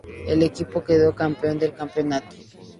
El equipo quedó campeón del campeonato.